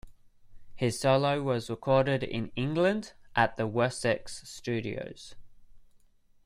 His solo was recorded in England at the Wessex Studios.